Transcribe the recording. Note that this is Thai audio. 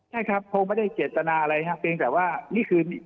ใช่ครับคงไม่ได้เจตนาอะไรครับเพียงแต่ว่านี่คือ